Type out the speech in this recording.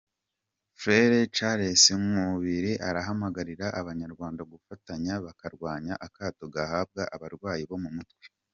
Frere Charles Nkubiri arahamagarira abanyarwanda gufatanya bakarwanya akato gahabwa abarwayi bo mu mutwe.